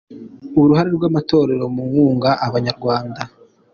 Uruhare rw’ Amatorero mu kunga Abanyarwanda.